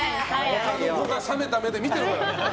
他の子が冷めた目で見てるから。